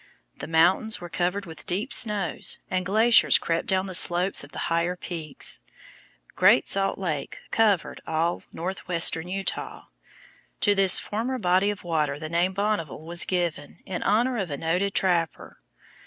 The mountains were covered with deep snows, and glaciers crept down the slopes of the higher peaks. Great Salt Lake covered all northwestern Utah; to this former body of water the name Bonneville has been given, in honor of a noted trapper.